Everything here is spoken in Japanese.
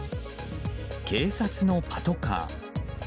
警察のパトカー。